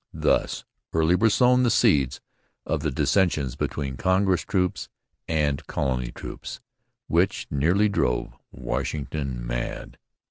Thus early were sown the seeds of those dissensions between Congress troops and Colony troops which nearly drove Washington mad.